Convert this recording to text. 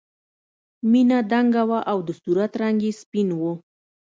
مینه دنګه وه او د صورت رنګ یې سپین و